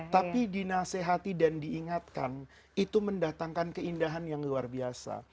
tapi dinasehati dan diingatkan itu mendatangkan keindahan yang luar biasa